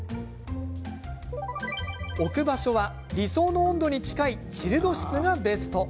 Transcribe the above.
置く場所は、理想の温度に近いチルド室がベスト。